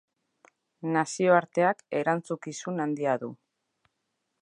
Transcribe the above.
Nazioarteak erantzukizun handia du.